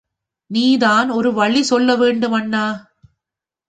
நீ தான் ஒரு வழி சொல்ல வேண்டும், அண்ணா!